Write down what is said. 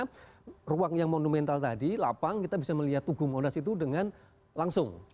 kesan monumental tadi lapang kita bisa melihat tugung ondas itu dengan langsung